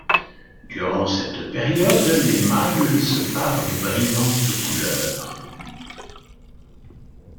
Durant cette période, les mâles se parent de brillantes couleurs.